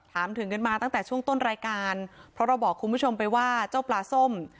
ถามถึงกันมาตั้งแต่ช่วงต้นรายการเพราะเราบอกคุณผู้ชมไปว่าเจ้าปลาส้ม